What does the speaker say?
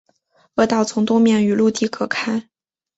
鹅岛从东面与陆地隔开。